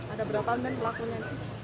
ada berapaan kan pelakunya